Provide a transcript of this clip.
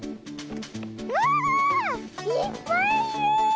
うわいっぱいいる！